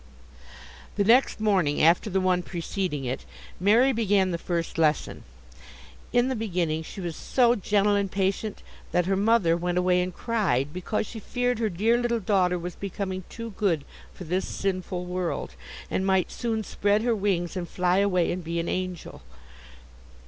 The next morning after the one preceding it, Mary began the first lesson. In the beginning she was so gentle and patient that her mother went away and cried, because she feared her dear little daughter was becoming too good for this sinful world, and might soon spread her wings and fly away and be an angel.